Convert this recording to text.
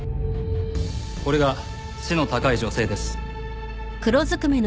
これが背の高い女性です。